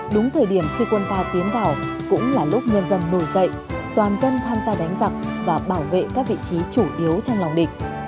đúng thời điểm khi quân ta tiến vào cũng là lúc nhân dân nổi dậy toàn dân tham gia đánh giặc và bảo vệ các vị trí chủ yếu trong lòng địch